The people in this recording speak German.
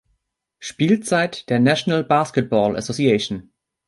Spielzeit der National Basketball Association.